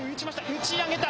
打ち上げた。